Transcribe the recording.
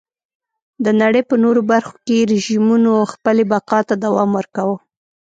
د نړۍ په نورو برخو کې رژیمونو خپلې بقا ته دوام ورکاوه.